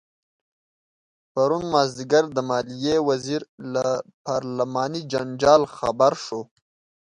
پرون مازدیګر د مالیې وزیر له پارلماني جنجال خبر شو.